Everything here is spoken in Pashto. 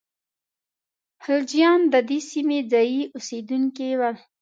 خلجیان د دې سیمې ځايي اوسېدونکي ول.